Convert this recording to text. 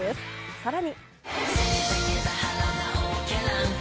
さらに。